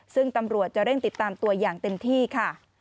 ซึ่งตำรวจจะเร่งติดตามตัวอย่างเต็มที่ค่ะ